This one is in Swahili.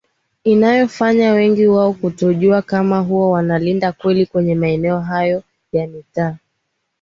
inayofanya wengi wao kutojua kama huwa wanalinda kweli kwenye maeneo hayo ya mitaa